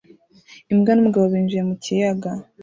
Imbwa n'umugabo binjiye mu kiyaga